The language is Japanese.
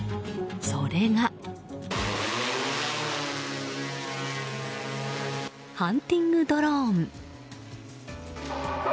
それがハンティングドローン。